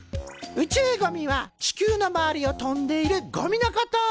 宇宙ゴミは地球の周りを飛んでいるゴミのこと。